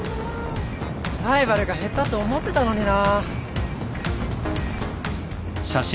ライバルが減ったと思ってたのにな。